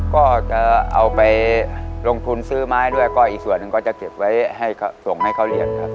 ก็จะเอาไปลงทุนซื้อไม้ด้วยก็อีกส่วนหนึ่งก็จะเก็บไว้ให้ส่งให้เขาเรียนครับ